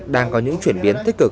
đang có những chuyển biến tích cực